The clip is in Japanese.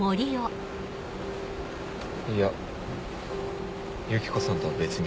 いやユキコさんとは別に。